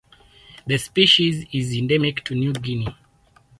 The species is endemic to New Guinea.